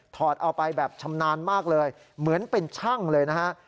เอาไปแบบชำนาญมากเลยเหมือนเป็นช่างเลยนะฮะ